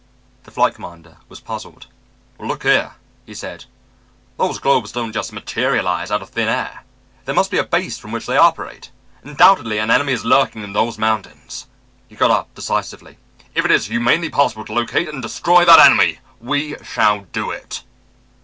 The flight commander was puzzled. "Look here," he said, "those globes don't just materialize out of thin air. There must be a base from which they operate. Undoubtedly an enemy is lurking in those mountains." He got up decisively. "If it is humanly possible to locate and destroy that enemy, we shall do it."